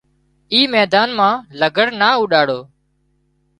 اي ميدان مان لگھڙ نا اوڏاڙو